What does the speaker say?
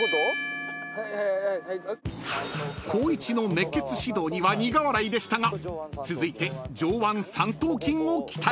［光一の熱血指導には苦笑いでしたが続いて］